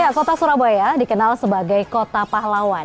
kota surabaya dikenal sebagai kota pahlawan